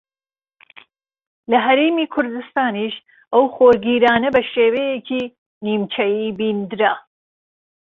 لە ھەرێمی کوردستانیش ئەو خۆرگیرانە بە شێوەیەکی نیمچەیی بیندرا